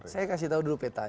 saya kasih tahu dulu petanya